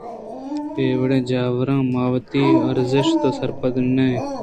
اے وڑیں جاوراں ما وتی ارزشتءَ سرپد نہ ایں